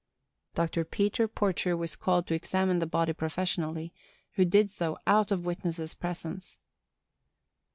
Dr. Peter Porcher was called to examine the body professionally, who did so out of witness' presence.